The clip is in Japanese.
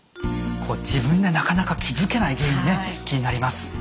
こう自分でなかなか気付けない原因ね気になります。